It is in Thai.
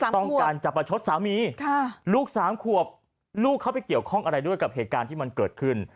ต้องการจะประชดสามีลูก๓ขวบลูกเขาไปเกี่ยวข้องอะไรด้วยกับเหตุการณ์ที่มันเกิดขึ้น